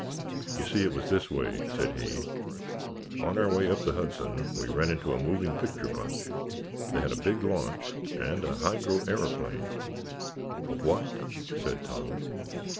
"You see it was this way," said he. "On our way up the Hudson we ran into a moving picture bunch. They had a big launch and a hydro aeroplane——" "A what?" said Tom.